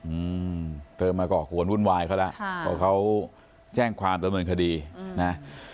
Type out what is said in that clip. อืมเติมมากรอกหวนวุ่นวายเขาละเพราะเขาแจ้งความตระเมินคดีนะ